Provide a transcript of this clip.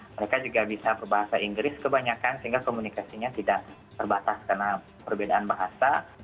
mereka juga bisa berbahasa inggris kebanyakan sehingga komunikasinya tidak terbatas karena perbedaan bahasa